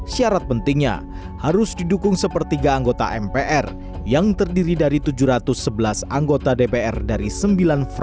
syarat pentingnya harus didukung sepertiga anggota mpr yang terdiri dari tujuh ratus sebelas anggota dpr dari sembilan fraksi dan satu ratus tiga puluh enam anggota dpd serta harus mencapai kuorum yaitu dua per tiga anggota mpr